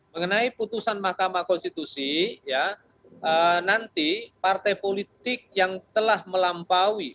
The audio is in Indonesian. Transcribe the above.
mengenai putusan mahkamah konstitusi nanti partai politik yang telah melampaui